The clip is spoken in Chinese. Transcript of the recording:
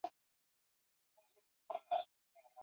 戴维环形山的东南是醒目的阿方索环形山。